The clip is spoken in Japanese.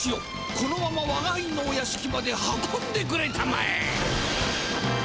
このままわがはいのお屋しきまで運んでくれたまえ。